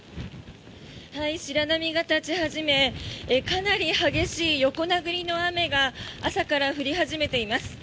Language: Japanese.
白波が立ち始めかなり激しい横殴りの雨が朝から降り始めています。